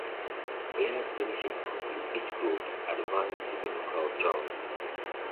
Players finishing top in each group advanced to the knockout rounds.